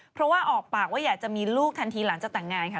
เพราะว่าออกปากว่าอยากจะมีลูกทันทีหลังจากแต่งงานค่ะ